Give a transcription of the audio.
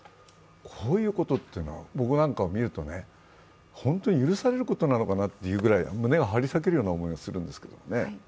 こういうことっていうのは僕なんかが見ると、本当に許されることなのかなというぐらい、胸が張り裂けるような思いがするんですけどね。